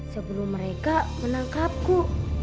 sebelum mereka menangkapku